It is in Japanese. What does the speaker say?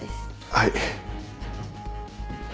はい。